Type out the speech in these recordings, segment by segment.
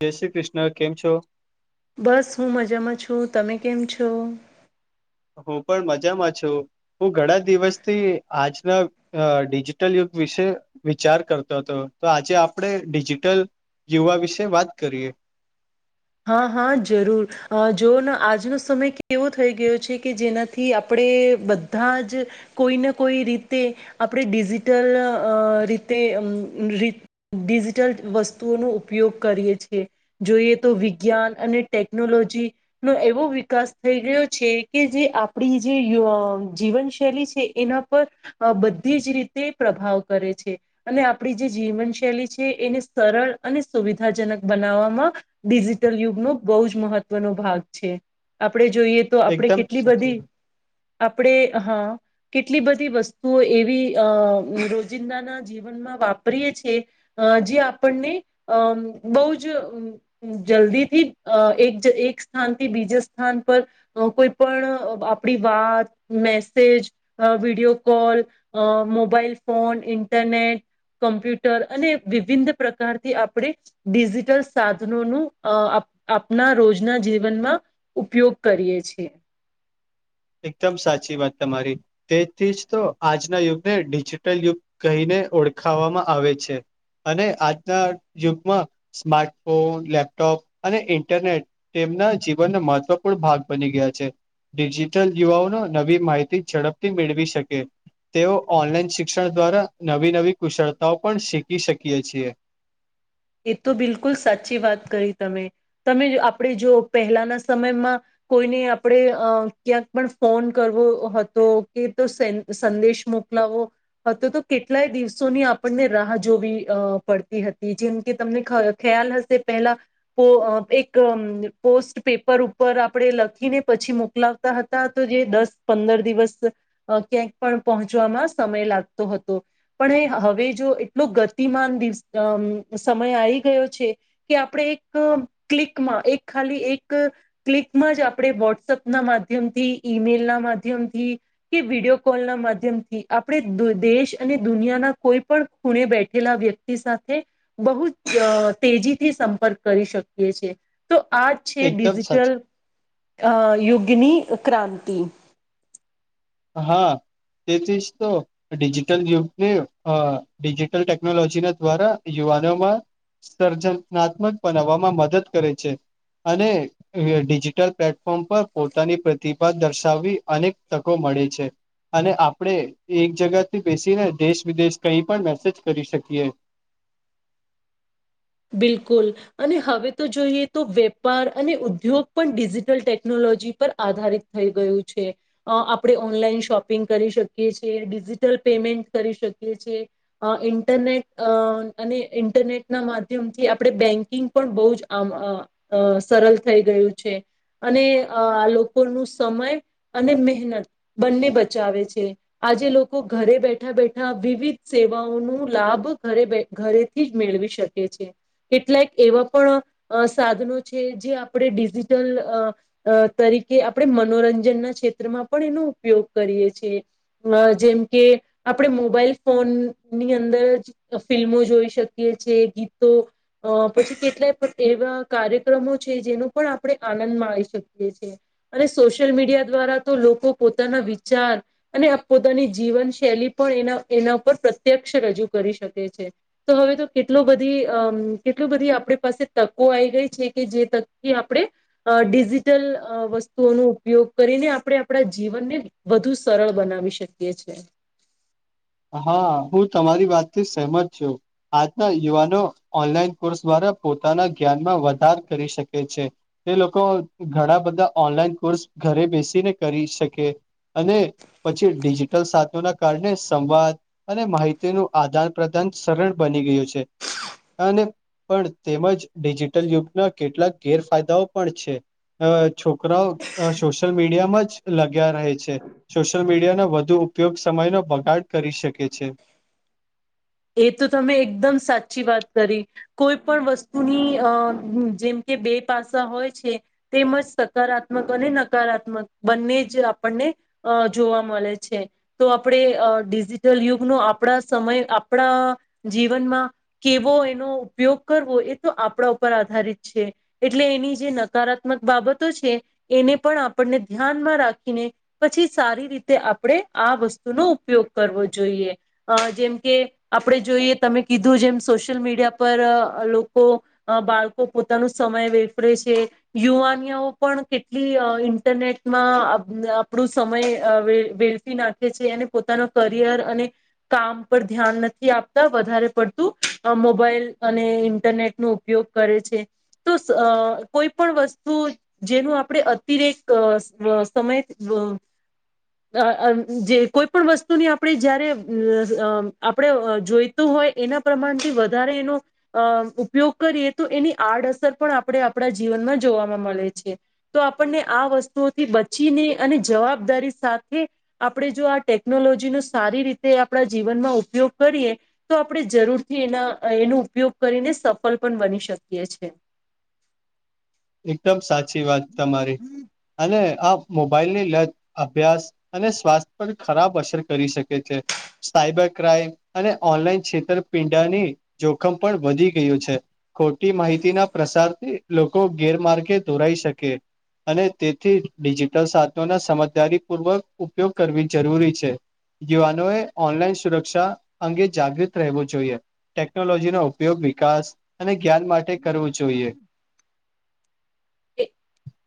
જય શ્રી કૃષ્ણ કેમ છો બસ હું મજામાં છું તમે કેમ છો હું પણ મજામાં છું હું ઘણા દિવસથી આજના અ ડિજિટલ યુગ વિશે વિચાર કરતો હતો તો આજે આપણે ડિજિટલ યુવા વિશે વાત કરીએ હા હા જરૂર અ જોઓ આજનો સમય કે એવો થઈ ગયો છે કે જેનાથી આપણે આપણે બધા જ કોઈને કોઈ રીતે આપણે ડિજિટલ અ રીતે ડિજિટલ વસ્તુઓનો ઉપયોગ કરીએ છેીએ જોઈએ તો વિજ્ઞાન અને ટેકનોલોજી નો એવો વિકાસ થઈ ગયો છે કે જે આપણી જે જીવનશૈલી છે એના પર‌ અ બધી જ રીતે પ્રભાવ કરે છે અને આપણી જે જીવનશૈલી છે એને સરળ અને સુવિધાજનક બનાવવામાં ડિજિટલ યુગનો બહુ જ મહત્વનો ભાગ છે આપણે જોઈએ તો આપણે એકદમ કેટલી સાચી બધી આપણે હા કેટલી બધી વસ્તુઓ એવી અ રોજિંદાના જીવનમાં વાપરીએ છેીએ અ જે આપણને અમ બહુ જ જલ્દી થી અ એક એક સ્થાનથી બીજા સ્થાન પર કોઈ પણ આપણી વાત મેસેજ અ વિડીયો કોલ અ મોબાઈલ ફોન ઇન્ટરનેટ કમ્પ્યુટર અને વિવિધ પ્રકારથી આપણે ડિજિટલ સાધ નો ન આપના રોજના જીવનમાં ઉપયોગ કરીએ છીએ [inaudible] એકદમ સાચી વાત તમારી તેથી જ તો આજના યુગને ડિજિટલ યુગ કહીને ને ઓળખાવામાં આવે છે અને આજના યુગમાં સ્માર્ટફોન લેપટોપ અને ઈન્ટરનેટ તે ના જીવનનો મહત્વપૂર્ણ ભાગ બની ગયા છે યુવાઓનો નવી માહિતી ઝડપથી મેળવી શકે તેઓ ઓનલાઈન શિક્ષણ દ્વારા નવી નવી કુશળતાઓ પણ શીખી શકીએ છીએ [inaudible] એ તો બિલકુલ સાચી વાત કરી તમે તમે આપણે જો પહેલાના સમયમાં કોઈને આપણે અ ક્યાંક પણ ફોન કરવો હતો કે તો સ સંદેશમાં મોકલાઓ હતો તો કેટલાય દિવસોની આપણને રાહ જોવી અ પડતી હતી જેમ કે તમને ખ ખ્યાલ હશે પેલા પો એક પોસ્ટ પેપર ઉપર આપણે લખીને પછી મોકલાવતા હતા તો જે દસ પંદર દિવસ ક્યાંક પણ પહોંચવા સમય લાગતો હતો પણ હવે જો એટલો ગતિમાન દિવ સમય આવી ગયો છે કે આપણે એક ક્લિકમાં એક ખાલી એક ક્લિક એક જ આપણે વોટ્સપ ના માધ્યમ થી ઈમેલ ના માધ્યમથી કે વિડીયો કોલ ના માધ્યમ આપણે દેશ અને દુનિયાના કોઈ પણ ખૂણે બેઠેલા વ્યક્તિ સાથે બહુ જ તેજી થી સંપર્ક કરી શકીએ છે. તો આ છે એકદમ સાચી ડિજિટલ યોગની ક્રાંતિ. હા. તેથી જ તો ડિજિટલ યુગને અ ડિજિટલ ટેકનોલોજી ના દ્વારા નોમાં સર્જનાત્મક બનાવવામાં મદદ કરે છે. અને ડિજિટલ પ્લેટફોર્મ પર પોતાની પ્રતિભા દર્શાવવી અનેક મળે છે. અને આપણે એક જગાથી બેસીને દેશ વિદેશ કઈ પણ મેસેજ કરી શકીએ. [unintelligible] બિલકુલ અને હવે તો જોઈએ તો વેપાર અને ઉદ્યોગ પણ ડિજિટલ ટેકનોલો જી પર આધારીત થઈ ગયું છે અ આપણે ઓનલાઈન શોપિંગ કરી શકીએ છે ડિજિ ટલ પેમેન્ટ કરી શકીએ છે અ ઇન્ટરનેટ અ અને ઇન્ટરનેટ ના ધ્યમથી આપણે બેન્કિંગ પણ બહુજ આમ સરળ થઈ ગયું છે. અને આ લોકો નુ સમય અને મહેનત બંને બચાવે છે. આજે લોકો ઘરે બેઠા બેઠા વિવિધ સેવાઓનુ લાભ ઘરે ઘરેથીજ મેળવી શકે. કે છે. કેટલાક એવા પણ સાધનો છે જે આપણે ડિજિટલ અ તરી કે આપણે મનોરંજન ના ક્ષેત્રમાં પણ એનો ઉપયોગ કરીએ છીએ અ જેમ કે આપણે મોબાઈલ ફોનની અંદર જ ફિલ્મો જોઈ શકીએ છે ગીતો અ પછી કેટલાય પ એવા કાર્યક્રમો છે જેનુ પણ આપણે આનંદ માણી શકીએ છે. અને સોશિયલ મીડિયા દ્વારા તો લોકો પોતાના વિચાર અને પોતાની જીવન શૈલી પણ એના એના ઉપર પ્રત્યક્ષ રજૂ કરી શકે છે તો હવે તો કેટલો બધી અમ કેટલી બધી આપણી પાસે તકો આવી ગઈ છે કે જે તકથી આપણે ડિજિટલ વસ્તુઓનુ ઉપયોગ કરીને આપણે આપણા જીવનને વધુ સરળ બનાવી શકીએ છે. [inaudible] હા હું તમારી વાત થી સહમત છું આજના યુવાનો ઓનલાઈન કોર્સ દ્વારા પોતાના જ્ઞાનમાં વધાર કરી શકે છે તે લોકો ઘણા બધા ઓનલાઈન કોર્સ ઘરે બેસીને કરી શકે અને પછી ડિજિટલ સાતો ના કારણે સંવાદ અને માહિતીનું આદાન પ્રદાન સરળ બની ગયું છે અને પણ તેમજ ડિજિટલ યુગના કેટલાક ગેરફાયદાઓ પણ છે. અ છોકરાઓ સોશિયલ મીડિયામાંજ લગ્યા રહે છે સોશિયલ મીડિયાના વધુ ઉપયોગ સમયનો બગાડ કરી શકે છે. એ તો તમે એકદમ સાચી વાત કરી કોઈ પણ વસ્તુની અ જેમ કે બે પાસા હોય છે તેમજ સકારાત્મક અને નકારાત્મક બન્નેજ આપણને જોવા મળે છે તો આપણે ડિજિટલ યુગનો આપણા સમય આપણા જીવનમાં કેવો એનો ઉપયોગ કરવો એ તો આપણા ઉપર આધારિત છે. એટલે એની જે નકારાત્મક બાબતો છે એને પણ આપણને ધ્યાનમાં રાખીને પછી સારી રીતે આપણે આ વસ્તુનો ઉપયોગ કરવો જોઈએ જેમ કે આપણે જોઈએ તમે કીધું જેમ સોશિયલ મીડિયા પર લોકો બાળકો પોતાનું મય વેપરે છે યુવાનીઆઓ પણ કેટલી ઇન્ટરનેટમાં આપણું સમય વેળફી નાખે છે અને પોતાનો કરિયર અને કામ પર ધ્યાન આપતા વધારે પડતું મોબાઈલ અને ઇન્ટરનેટ નો ઉપયોગ કરે છે તો કોઈ પણ વસ્તુ જેનું આપણે અતિરેક સમય અ [unintelligible] જે કોઈ પણ વસ્તુની આપણે જ્યારે આપણે જોઈતું હોય એના પ્રમાણથી વધારે એનો અ ઉપયોગ કરીએ તો એની આડસ આપણે આપણા જીવનમાં જોવામાં મળે છે તો આપણને આ વસ્તુઓથી બચીને અને જવાબદારી સાથે આપણે જો આ ટેકનોલોજીનો સારી રીતે આપણા જીવનમાં ઉપયોગ કરીએ તો આપણે જરૂરથી એના એનો ઉપયોગ કરીને સફળ પણ બની શકીએ છે [unintelligible] એકદમ સાચી વાત તમારી અને આ મોબાઈલ ની લત અભ્યાસ અને સ્વાસ્થ્ય પર ખરાબ અસર કરી શકે છે સાયબર ક્રાઈમ અને ઓનલાઈન છેતરપિંડાની જોખમ પણ વધી ગયું છે ખોટી માહિતી ના પ્રસારથી લોકો ગેરમાર્ગે દોરાઈ શકે અને તેથી ડિજિટલ સાધનોને સમજદારી પૂર્વક ઉપયોગ કરવી જરૂરી છે યુવાનોએ ઓનલાઈન સુરક્ષા અંગે જાગૃત રહેવો જોઈએ ટેકનોલોજીનો ઉપયોગ વિકાસ અને જ્ઞાન માટે કરવું જોઈએ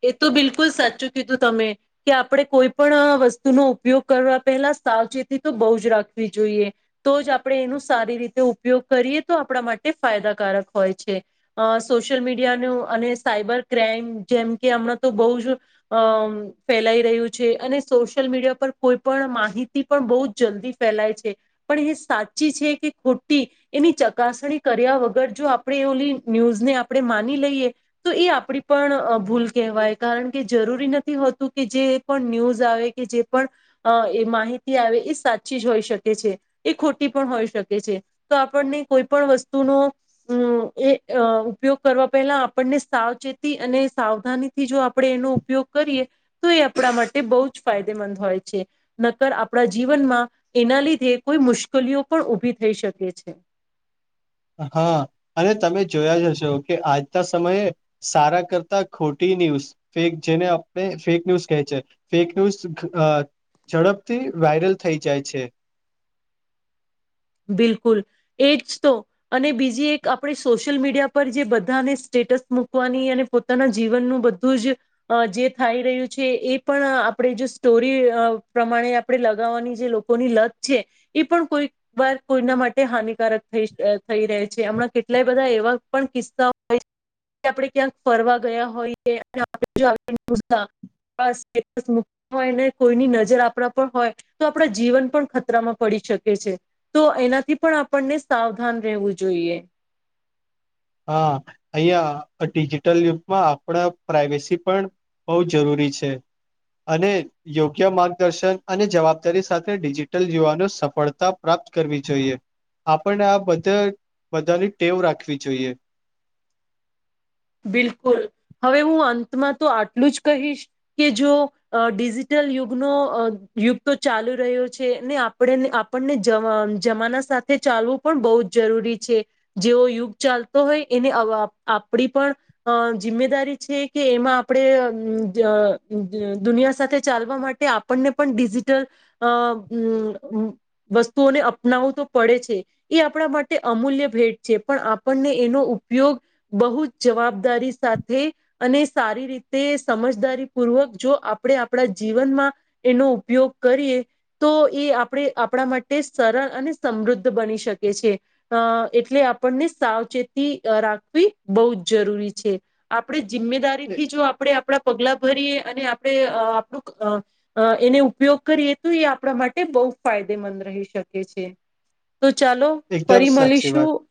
એ તો બિલકુલ સાચું કીધું તમે કે આપણે કોઈ પણ વસ્તુનો ઉપયોગ કરવા પહેલા સાવચેતી બહ જ રાખવી જોઈએ તો જ આપણે એનો સારી રીતે ઉપયોગ કરીએ તો આપણા માટે માટે ફાયદાકારક હોય છે સોશિયલ મીડિયાનું અને સાયબર ક્રાઈમ જેમ કે હમણાં તો બહુ જ અ ફેલાઈ રહ્યું છે અને સોશિયલ મીડિયા પર કોઈ પણ માહિત પણ બ જ જલ્દી ફેલાય છે પણ એ સાચી છે કે ખોટી એની ચકાસણી કર્યા વગર જો આપણે ઓલી ન્યૂઝને આપણે માની લઈએ તો એ આપણી પણ ભૂલ કવાય કારણ કે જરૂરી નથી હોતું કે જે પણ ન્યૂઝ આવે કે જે પણ માહિત એ સાચી જ હોય શકે છે એ ખોટી પણ હોય શકે છે તો આપણને કોઈ પણ વસ્તુ ન એ ઉપયોગ કરવા પહેલા આપણને સાવચેતી અને સાવધાની જો આપ એનો ઉપયોગ કરીએ તો એ આપણા માટે બહુ જ ફાયદેમંદ હોય છે નકર આપ આપણા જીવનમાં એના લીધે કોઈ મુશ્કેલીઓ પણ ઉઊભી થઈ શકે છે. હા અને તમે જોયા જશો કે આજતા સમયે સારા કરતા ખોટી ન્યૂઝ ફેક જેને આપણે ફેક ન્યૂઝ કહે છે ફેક ન્યૂઝ ઝડપથી વાયરલ થઈ જાય છે. [inaudible] બિલકુલ એ જ તો અને બીજી એક આપણે સોશિયલ મીડિયા પર જે બધાને સ્ટ મની અને પોતાના જીવનનું બધું જ જે થાય રહ્યું છે એ પણ આપણે જો સ્ટોરી પ્રમાણે આપણે લગાવવાની જે લોકોની લત છે એ પણ કોઈ વર્ગ કોઈના માટે હાનિકારક થઈ થઈ રહે છે હમણાં કેટલાય બધા એવા પણ કિસ્સા હોય કે આપડે ક્યાંક ફરવા ગયા હોઈએ અને આપણે જો સ્ટટ મુ હોય ને કોઈની નજર આપણા પર હોય તો આપણા જીવન પણ ખતરામાં પડી શકે છે તો એનાથી પણ આપણને સાવધાન રહેવું જોઈએ હા અહિયાં ડિજિટલ યુગમાં આપણા પ્રાઈવેસી પણ બહુ જરૂરી છે. અને યોગ્ય માર્ગદર્શન અને જવાબદારી સાથે ડિજિટલ યુવાનો સફળતા પ્રાપ્ત કરવી જોઈએ આપણને આ બધા બધાની ટેવ રાખવી જોઈએ બિલકુલ હવે હું અંતમાં તો આટલું જ કહીશ કે જો ડિજિટલ યુગ યુગ તો ચાલુ રહ્યો છે ને આપ આપણને જમાના સાથે ચાલવું પણ બહુ જ જરૂરી છે જેવો યુગ ચાલતો હોય એને. આપણી પણ જિમ્મેદારી છે કે એમાં આપણે દુનિયા સાથે તે ચાલવા માટે આપણને પણ ડિજિટલ અ વસ્તુઓને અપનાવવું તો પડે છે એ આપણા માટે અમૂલ્ય ભેટ છે પણ આપણને એનો ઉપયોગ બહુ જ જવાબદારી સાથે અને સારી રીતે સમજદારી પૂર્વક જો આપણે આપણા જીવનમાં એનો ઉપયોગ કરીએ તો એ આપણે આપણા માટે સર અને સમૃદ્ધ બની શકે છે એટલે આપણને સાવચેતી રાખવી બહુ જ જરૂરી છે આપણે એ- જિમ્મેદારીથી જો આપણે આપણા પગલા ભરીએ અને આપણે આપણું એ ઉપયોગ કરીએ તો એ આપણા માટે બહુ ફાયદેમંદ રહી શકે છે. તો ચાલો એકદમ ફરી સાચી વાત મળીશું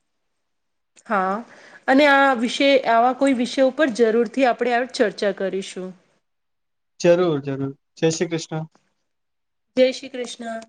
હા અને આ વિષ આવા કોઈ વિષય ઉપર જરૂરથી આપણે આ ચર્ચા કરીશું. જરૂર જરૂર જય શ્રી કૃષ્ણ. જય શ્રી કૃષ્ણ.